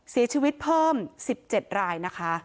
เสียชีวิตเพิ่ม๑๗รายนะคะ